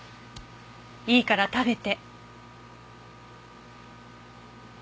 いいから食べて。